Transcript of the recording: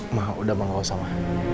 ma udah ma gak usah ma